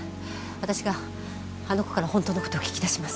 私があの子から本当のことを聞き出します。